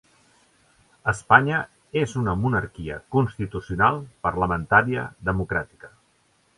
Espanya és una monarquia constitucional parlamentària democràtica.